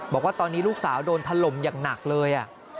บอกว่าตอนนี้ลูกสาวโดนถล่มอย่างหนักเลย